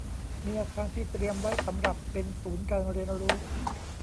มีอาคารที่เตรียมไว้สำหรับเป็นศูนย์การเรียนรู้